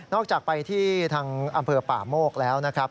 จากไปที่ทางอำเภอป่าโมกแล้วนะครับ